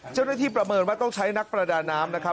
ประเมินว่าต้องใช้นักประดาน้ำนะครับ